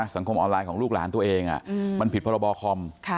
สังคมออนไลน์ของลูกหลานตัวเองมันผิดพรบคอม